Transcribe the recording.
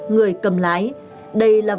người cầm lái đây là